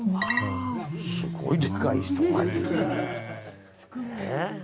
すごいでかい人がいるんだね。